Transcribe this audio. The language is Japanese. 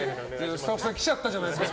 スタッフさん来ちゃったじゃないですか。